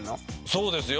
そうですよ。